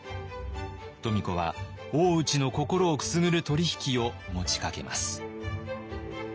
富子は大内の心をくすぐる取り引きを持ちかけます。